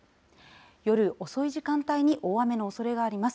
夜遅い時間帯に、大雨のおそれがあります。